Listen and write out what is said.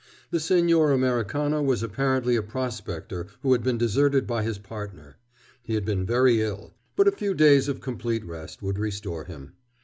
The Señor Americano was apparently a prospector who had been deserted by his partner. He had been very ill. But a few days of complete rest would restore him.